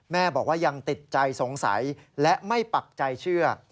แม่บอกว่ายังติดใจสงสัยและไม่ปักใจเชื่อ